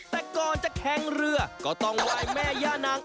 แต่ก่อนจะแข่งเรือก็ต้องไหว้แม่ย่านาง